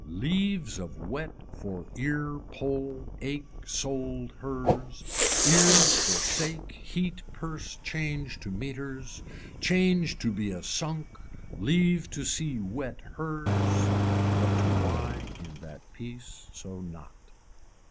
Leaves of wet for ear pole ache sold hers, ears for sake heat purse change to meeters, change to be a sunk leave to see wet hers, but to why in that peace so not.